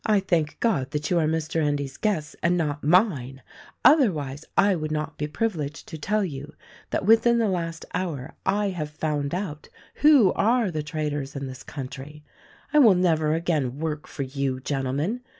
I thank God that you are Mr. Endy's guests, and not mine — otherwise I would not be privileged to tell you that within the last hour I have found out who are the traitors in this country. I will never 194 THE RECORDING ANGEL again work for you, gentlemen.